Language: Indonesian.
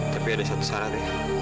tapi ada satu syarat ya